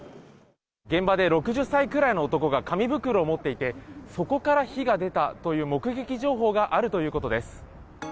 現場で、６０歳ぐらいの男が紙袋を持っていて、そこから火が出たという目撃情報があるということです。